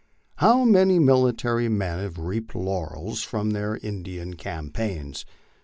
How many military men have reaped laurels from their In dian campaigns?